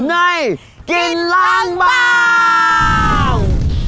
ในกินล้างบาง